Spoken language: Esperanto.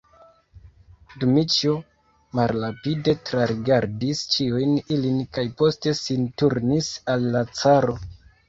Dmiĉjo malrapide trarigardis ĉiujn ilin kaj poste sin turnis al la caro.